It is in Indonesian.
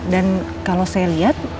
dan kalau saya lihat